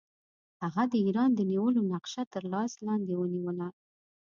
هغه د ایران د نیولو نقشه تر لاس لاندې ونیوله.